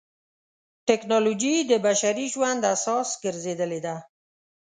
ټکنالوجي د بشري ژوند اساس ګرځېدلې ده.